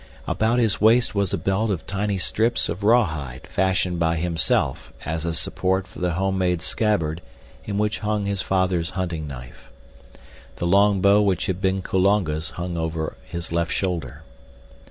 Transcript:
About his waist was a belt of tiny strips of rawhide fashioned by himself as a support for the home made scabbard in which hung his father's hunting knife. The long bow which had been Kulonga's hung over his left shoulder.